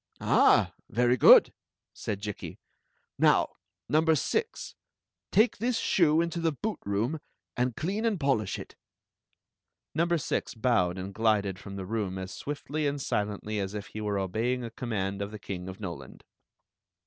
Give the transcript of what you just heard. "Ah! very good!" said Jikki. "Now, number six, take this shoe into the boot room, and clean and polish it." Number six bowed and glid^ from the room as swiftly and silently as if he were obeying a command the King of Noland.